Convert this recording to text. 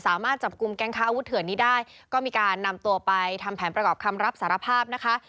สามารถจับกลุ่มแก๊งค้าอาวุธเถื่อนนี้ได้ก็มีการนำตัวไปทำแผนประกอบคำรับสารภาพนะคะ